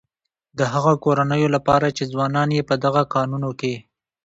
د هغه کورنيو لپاره چې ځوانان يې په دغه کانونو کې.